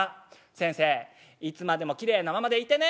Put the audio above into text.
「先生いつまでもきれいなままでいてね」。